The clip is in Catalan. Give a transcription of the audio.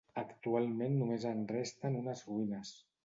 Actualment només en resten unes ruïnes.